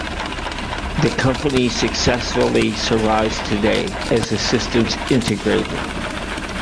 The company successfully survives today as a systems integrator.